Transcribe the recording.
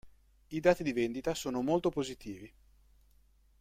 I dati di vendita sono molto positivi.